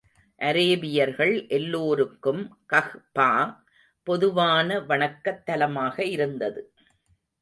அரேபியர்கள் எல்லோருக்கும் கஃபா பொதுவான வணக்கத் தலமாக இருந்தது.